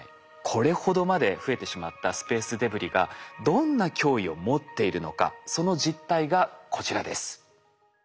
これほどまで増えてしまったスペースデブリがどんな脅威を持っているのかその実態がこちらです。